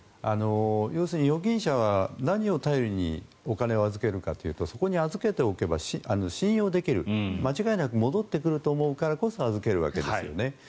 要するに、預金者は何を頼りにお金を預けるかというとそこに預けておけば信用できる間違いなく戻ってくると思うからこそ預けるわけですよね。